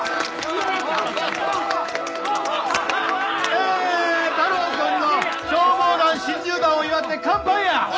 え太郎くんの消防団新入団を祝って乾杯や！